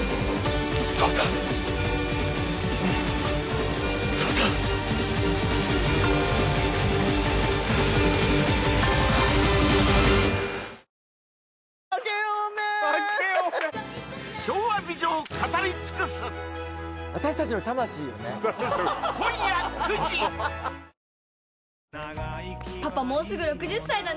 壮太壮太パパ、もうすぐ６０歳だね！